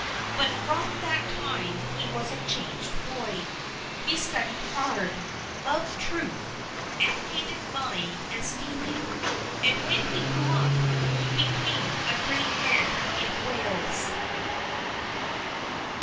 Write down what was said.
But from that time he was a changed boy. He studied hard, loved truth, and hated lying and stealing. And, when he grew up, he became a great man in Wales.